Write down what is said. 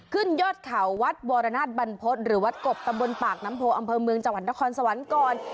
ขึ้นยอดเขาวัดวรนาศบรรพฤษหรือวัดกบตำบลปากน้ำโพอำเภอเมืองจังหวัดนครสวรรค์ก่อน